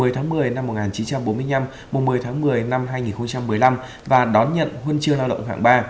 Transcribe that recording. một mươi tháng một mươi năm một nghìn chín trăm bốn mươi năm một mươi tháng một mươi năm hai nghìn một mươi năm và đón nhận huân chương lao động hạng ba